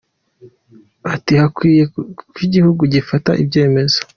Ati “Hakwiye ko igihugu kigafata ibyemezo.